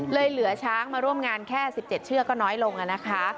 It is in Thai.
เหลือช้างมาร่วมงานแค่๑๗เชือกก็น้อยลงนะคะ